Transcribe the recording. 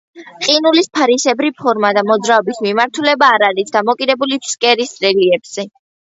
ყინულის ფარისებრი ფორმა და მოძრაობის მიმართულება არ არის დამოკიდებული ფსკერის რელიეფზე.